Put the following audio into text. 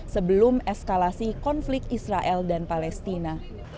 sebelum eskalasi konflik israel dan palestina